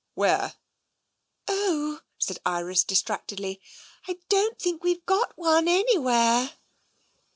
Where?" Oh," said Iris distractedly, " I don't think we've got one anywhere."